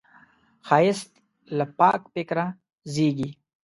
ښایست له پاک فکره زېږي